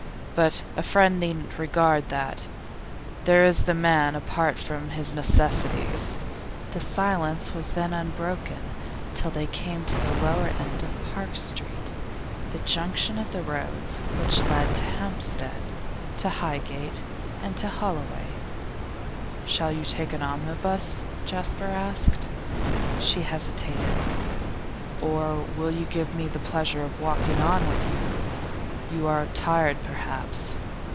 But a friend needn't regard that. There is the man apart from his necessities.' The silence was then unbroken till they came to the lower end of Park Street, the junction of roads which lead to Hampstead, to Highgate, and to Holloway. 'Shall you take an omnibus?' Jasper asked. She hesitated. 'Or will you give me the pleasure of walking on with you? You are tired, perhaps?